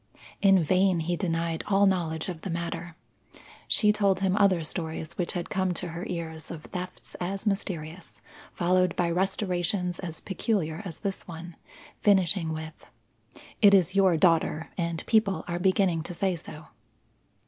In vain he denied all knowledge of the matter. She told him other stories which had come to her ears of thefts as mysterious, followed by restorations as peculiar as this one, finishing with, "It is your daughter, and people are beginning to say so."